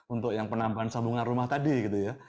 untuk yang penambahan sambungan rumah tadi gitu ya